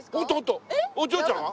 お嬢ちゃんは？